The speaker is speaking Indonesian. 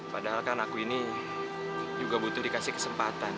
padahal kan aku ini juga butuh dikasih kesempatan